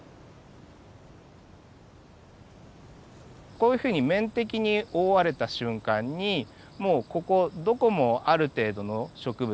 こういうふうに面的に覆われた瞬間にもうここどこもある程度の植物